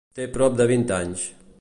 Té prop de vint anys.